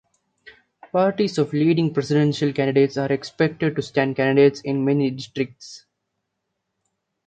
Parties of leading presidential candidates are expected to stand candidates in many districts.